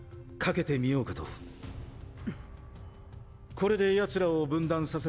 これで奴らを分断させたら。